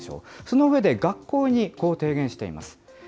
その上で、学校にこう提言しています。